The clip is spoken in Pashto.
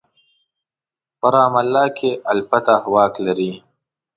په رام الله کې الفتح واک لري.